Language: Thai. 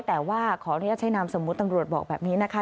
แต่ว่าขออนุญาตใช้นามสมมุติตำรวจบอกแบบนี้นะคะ